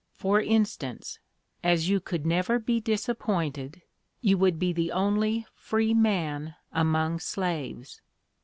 For instance, as you could never be disappointed, you would be the only free man among slaves.